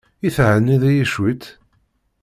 I thenniḍ-iyi cwiṭ?